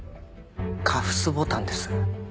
カフスボタンです。